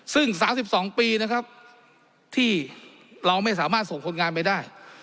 ซึ่ง๓๒ปีนะครับที่เราไม่สามารถส่งคนงานไปได้